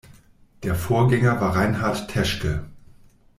Der Vorgänger war Reinhard Teschke.